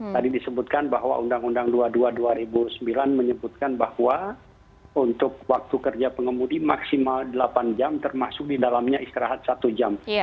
tadi disebutkan bahwa undang undang dua puluh dua dua ribu sembilan menyebutkan bahwa untuk waktu kerja pengemudi maksimal delapan jam termasuk di dalamnya istirahat satu jam